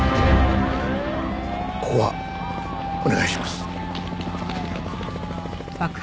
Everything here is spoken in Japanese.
ここはお願いします。